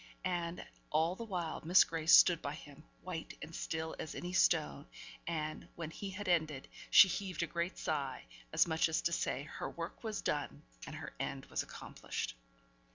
And, all the while, Miss Grace stood by him, white and still as any stone; and, when he had ended, she heaved a great sigh, as much as to say her work was done, and her end was accomplished.